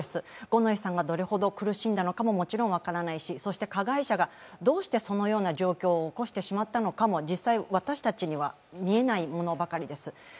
五ノ井さんがどれほど苦しんだのかももちろん分からないしそして加害者が、どうしてそのような状況を起こしてしまったのかも実際、私たちには見えないものばかりです。